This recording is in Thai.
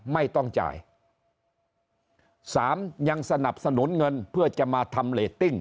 ไม่ต้องจ่ายสามยังสนับสนุนเงินเพื่อจะมาทำเรตติ้ง